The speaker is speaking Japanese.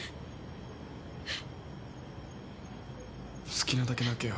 好きなだけ泣けよ。